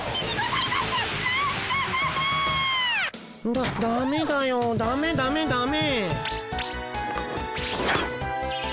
ダダメだよダメダメダメ。